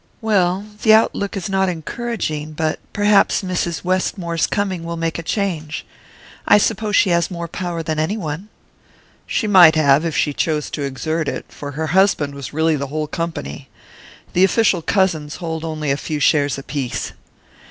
"Well, the outlook is not encouraging, but perhaps Mrs. Westmore's coming will make a change. I suppose she has more power than any one." "She might have, if she chose to exert it, for her husband was really the whole company. The official cousins hold only a few shares apiece."